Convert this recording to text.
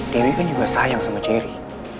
dewi kan juga sayang sama ceri